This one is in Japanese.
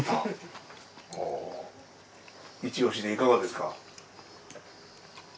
一押しでいかがですか？